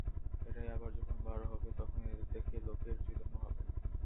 এরাই আবার যখন বার হবে, তখন এদের দেখে লোকের চৈতন্য হবে।